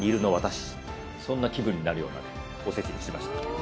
そんな気分になるようなおせちにしました。